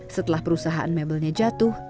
setelah perusahaan mebelnya jatuh